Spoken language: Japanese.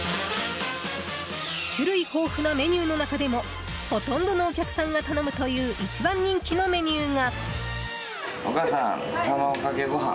種類豊富なメニューの中でもほとんどのお客さんが頼むという一番人気のメニューが。